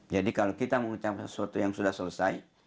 jadi kalau kita mengucapkan sesuatu yang sudah selesai